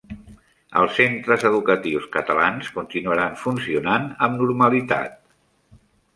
Els centres educatius catalans continuaran funcionant amb normalitat